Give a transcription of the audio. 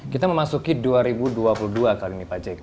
kita memasuki dua ribu dua puluh dua kali ini pak jk